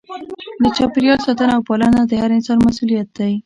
د چاپیریال ساتنه او پالنه د هر انسان مسؤلیت دی.